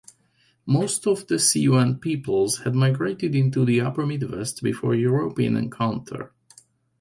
Most of the Siouan peoples had migrated into the upper Midwest before European encounter.